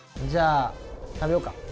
じゃあ、食べようか。